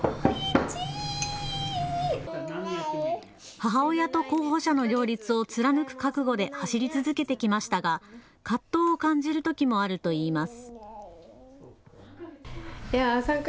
母親と候補者の両立を貫く覚悟で走り続けてきましたが葛藤を感じるときもあるといいます。